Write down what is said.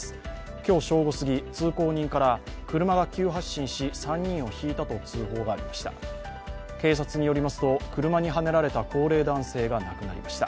今日正午すぎ、通行人から、車が急発進し、３人をひいたと通報がありました。